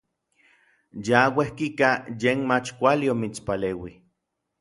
Ya uejkika yen mach kuali omitspaleuij.